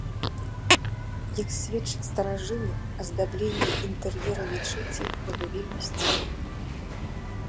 Як сведчаць старажылы, аздабленне інтэр'ера мячэці было вельмі сціплым.